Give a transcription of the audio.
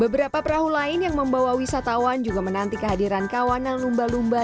beberapa perahu lain yang membawa wisatawan juga menanti kehadiran kawanan lumba lumba luba atau lomba luba